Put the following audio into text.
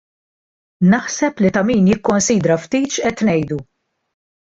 Naħseb li ta' min jikkonsidra ftit x'qed ngħidu.